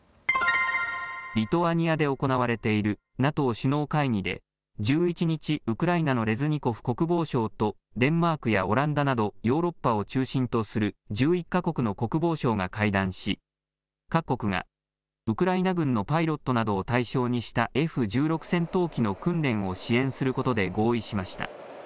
リトアニアで行われているＮＡＴＯ首脳会議で１１日、ウクライナのレズニコフ国防相とデンマークやオランダなどヨーロッパを中心とする１１か国の国防相が会談し各国がウクライナ軍のパイロットなどを対象にしたＦ１６戦闘機の訓練を支援することで合意しました。